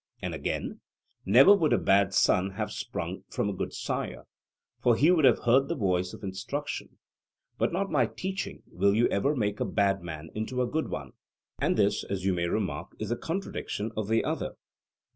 And again: 'Never would a bad son have sprung from a good sire, for he would have heard the voice of instruction; but not by teaching will you ever make a bad man into a good one.' And this, as you may remark, is a contradiction of the other.